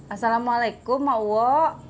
assalamualaikum mak uwo